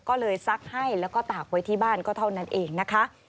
ก็เลยซักให้แล้วก็ตากไว้ที่บ้านก็เท่านั้นเองนะคะ